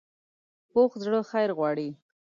پوخ زړه خیر غواړي